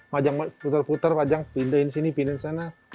majang puter puter majang pindahin sini pindahin sana